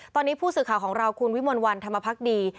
ตอนนี้ผู้สื่อข่าวของเราคุณวิมลวันธรรมพักดี